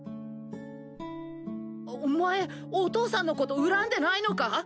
お前お父さんのこと恨んでないのか？